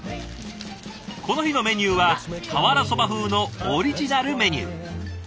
この日のメニューは瓦そば風のオリジナルメニュー。